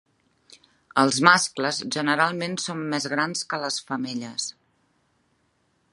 Els mascles generalment són més grans que les femelles.